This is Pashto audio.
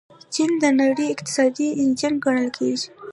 چین د نړۍ اقتصادي انجن ګڼل کیږي.